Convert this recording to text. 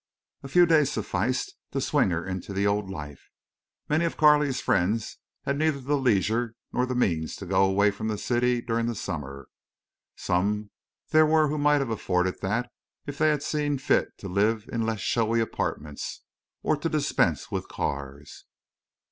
A few days sufficed to swing her into the old life. Many of Carley's friends had neither the leisure nor the means to go away from the city during the summer. Some there were who might have afforded that if they had seen fit to live in less showy apartments, or to dispense with cars.